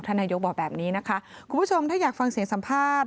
นายกบอกแบบนี้นะคะคุณผู้ชมถ้าอยากฟังเสียงสัมภาษณ์